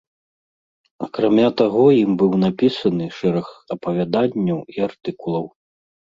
Акрамя таго ім быў напісаны шэраг апавяданняў і артыкулаў.